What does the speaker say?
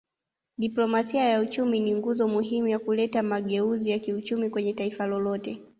Diplomasia ya uchumi ni nguzo muhimu ya kuleta mageuzi ya kiuchumi kwenye Taifa lolote